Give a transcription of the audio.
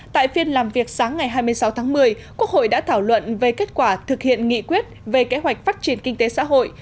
tại phiên làm việc sáng ngày hai mươi sáu tháng một mươi quốc hội đã thảo luận về kết quả thực hiện nghị quyết về kế hoạch phát triển kinh tế xã hội